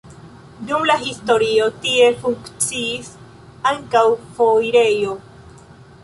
Dum la historio tie funkciis ankaŭ foirejo.